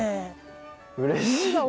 うれしい。